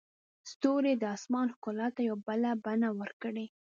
ستوري د اسمان ښکلا ته یو بله بڼه ورکوي.